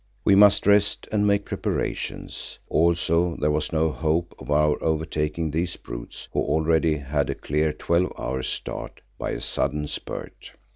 We must rest and make preparations; also there was no hope of our overtaking these brutes who already had a clear twelve hours' start, by a sudden spurt.